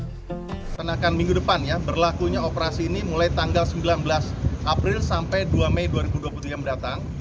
kita akan minggu depan ya berlakunya operasi ini mulai tanggal sembilan belas april sampai dua mei dua ribu dua puluh tiga mendatang